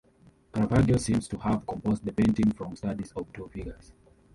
Caravaggio seems to have composed the painting from studies of two figures.